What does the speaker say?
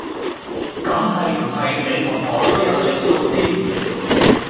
咁係唔係你同我都有着數先？